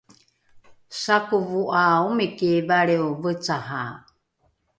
sakovo ’a omiki valrio vecahae